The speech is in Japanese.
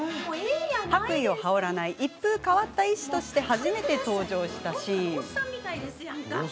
白衣を羽織らない一風変わった医師として初めて登場したシーン。